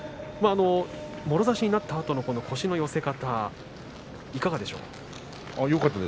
もろ差しになったあとの腰の寄せ方、いかがでしょうか。